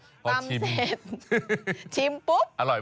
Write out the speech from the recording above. ตำเสร็จชิมปุ๊บ